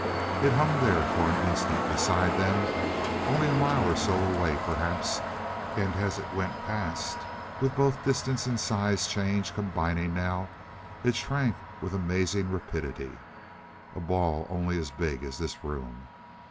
It hung there for an instant beside them only a mile or so away perhaps. And as it went past, with both distance and size change combining now, it shrank with amazing rapidity! A ball only as big as this room....